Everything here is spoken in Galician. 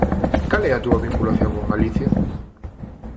Cal é a túa vinculación con Galicia?